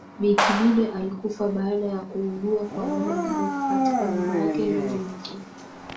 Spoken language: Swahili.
Bi Kidude alikufa baada ya kuugua kwa muda mrefu katika nyumba yake ndogo mjini